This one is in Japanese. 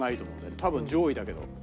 多分上位だけど。